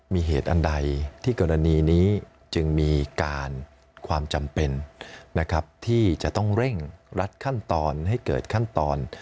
มีเหตุอันใดที่กรณีนี้จึงมีการความจำเป็นนะครับที่จะต้องเร่งรัดขั้นตอนให้เกิดขั้นตอน